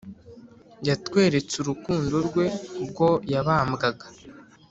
Yatwerets’ urukundo rwe, Ubwo yabambwaga.